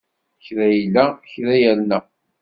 Kra illa, kra irna.